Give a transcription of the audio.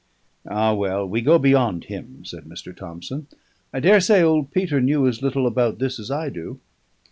"Ah well, we go beyond him," said Mr. Thomson. "I daresay old Peter knew as little about this as I do.